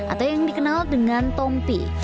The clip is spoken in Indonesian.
atau yang dikenal dengan tompi